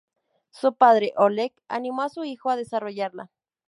Su padre, Oleg, animó a su hijo a desarrollarla.